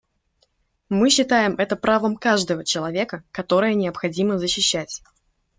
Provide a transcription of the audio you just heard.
Мы считаем это правом каждого человека, которое необходимо защищать.